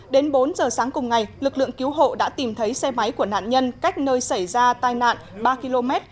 đến bốn giờ sáng cùng ngày lực lượng cứu hộ đã tìm thấy xe máy của nạn nhân cách nơi xảy ra tai nạn ba km